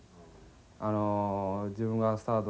あの自分がスタート